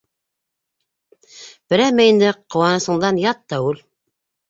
Прәмә инде ҡыуанысыңдан ят та үл.